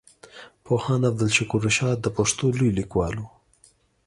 پوهاند عبدالشکور رشاد د پښتو لوی ليکوال وو.